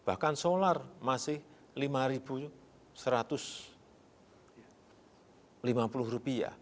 bahkan solar masih rp lima satu ratus lima puluh